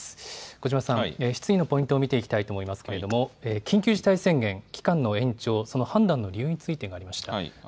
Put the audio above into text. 小嶋さん、質疑のポイントを見ていきたいと思いますけれども、緊急事態宣言、期間の延長、その判断の理由についてがありました。